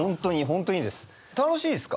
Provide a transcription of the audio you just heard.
楽しいですか？